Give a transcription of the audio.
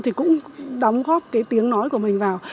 thì cũng đóng góp cái tiếng nói của mình vào